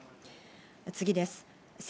次です。